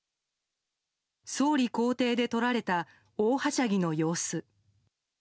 総理公邸で撮られた大はしゃぎの様子。